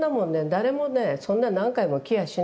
誰もねそんな何回も来やしないんだ。